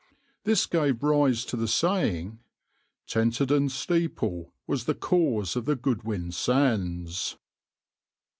This gave rise to the saying, "Tenterden steeple was the cause of the Goodwin Sands."